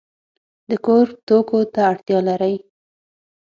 د کور توکو ته اړتیا لرئ؟